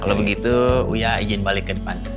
kalau begitu ya izin balik ke depan